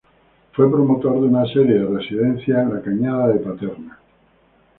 Fue promotor de una serie de residencias en la Cañada de Paterna.